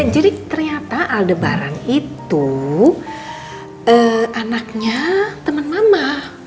jadi ternyata aldebaran itu anaknya temen mama